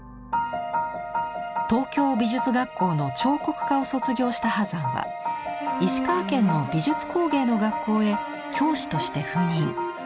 東京美術学校の彫刻科を卒業した波山は石川県の美術工芸の学校へ教師として赴任。